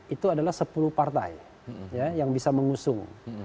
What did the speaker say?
itu adalah sepuluh partai yang bisa mengusung